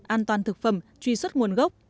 an toàn thực phẩm truy xuất nguồn gốc